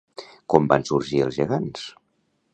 Com van sorgir els gegants?